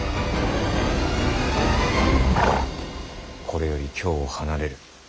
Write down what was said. これより京を離れる。